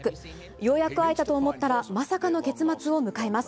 ようやく会えたと思ったら、まさかの結末を迎えます。